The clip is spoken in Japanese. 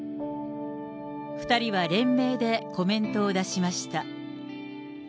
２人は連名でコメントを出しました。